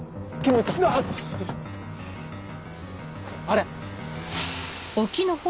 あれ！